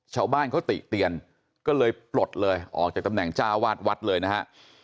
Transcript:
ชาวบ้านเขาติเตียนก็เลยปลดเลยออกจากตำแหน่งจ้าวาดวัดเลยนะฮะ